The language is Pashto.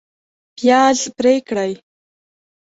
پیاز پرې کړئ